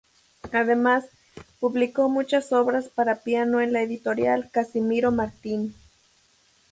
Además, publicó muchas obras para piano en la editorial Casimiro Martín.